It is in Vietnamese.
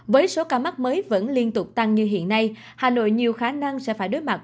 với số ca mắc mới vẫn liên tục tăng như hiện nay hà nội nhiều khả năng sẽ phải đối mặt